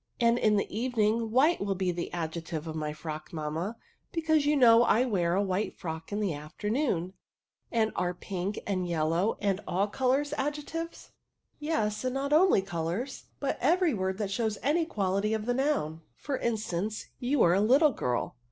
" And in the evening white will be the adjective of my frock, mamma, because you know I wear, a white frock in the afternoon. And are pink and yellow and all colours adjectives?" " Yes, and not only colours, but every word that shows any quality of the noun ; for instance, ' you are a little girl.'